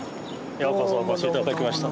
ようこそお越し頂きました。